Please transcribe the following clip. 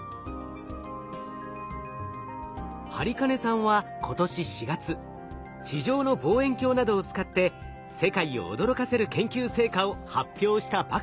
播金さんは今年４月地上の望遠鏡などを使って世界を驚かせる研究成果を発表したばかりです。